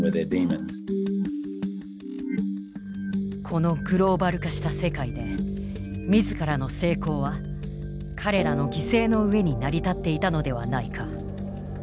このグローバル化した世界で自らの成功は彼らの犠牲の上に成り立っていたのではないか。